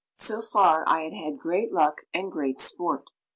So far I had had great luck and great sport.